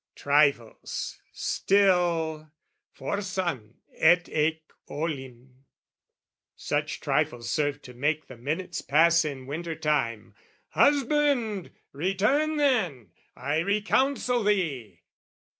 Trifles still, "Forsan et haec olim," such trifles serve To make the minutes pass in winter time, Husband, return then, I re counsel thee!